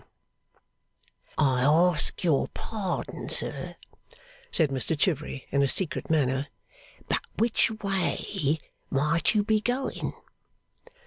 '(Private) I ask your pardon, sir,' said Mr Chivery in a secret manner; 'but which way might you be going?